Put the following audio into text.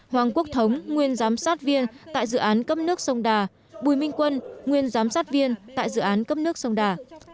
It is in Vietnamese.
hoàng quốc thống nguyên giám sát viên tại dự án cấp nước sông đà bùi minh quân nguyên giám sát viên tại dự án cấp nước sông đà